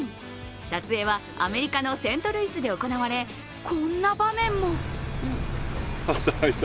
撮影は、アメリカのセントルイスで行われこんな場面も。